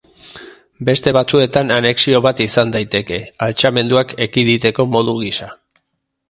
Beste batzuetan anexio bat izan daiteke, altxamenduak ekiditeko modu gisa.